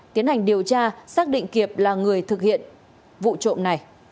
tiến hành điều tra xác định kiệp là người thực hiện